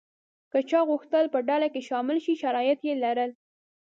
که چا غوښتل په ډله کې شامل شي شرایط یې لرل.